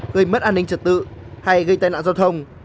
gây mất an ninh trật tự hay gây tai nạn giao thông